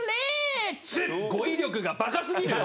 語彙力がバカすぎるよ！